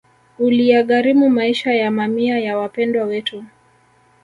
Uliyagharimu maisha ya mamia ya Wapendwa Wetu